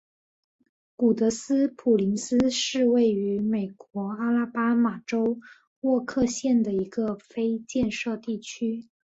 古德斯普林斯是位于美国阿拉巴马州沃克县的一个非建制地区。